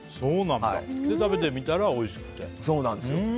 食べてみたらおいしくて。